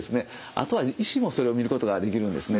あとは医師もそれを見ることができるんですね。